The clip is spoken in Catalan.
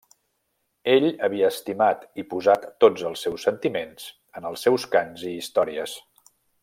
Ell havia estimat i posat tots els seus sentiments en els seus cants i històries.